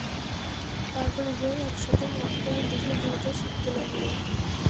তারপর উভয়ে এক সাথে মক্কার দিকে দ্রুত ছুটতে লাগল।